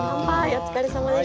お疲れさまでした。